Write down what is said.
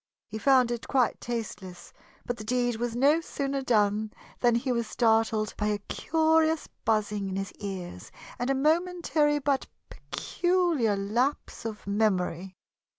He found it quite tasteless, but the deed was no sooner done than he was startled by a curious buzzing in his ears and a momentary but peculiar lapse of memory.